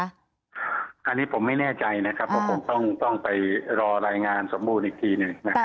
อันนี้ผมไม่แน่ใจนะครับเพราะผมต้องไปรอรายงานสมบูรณ์อีกทีหนึ่ง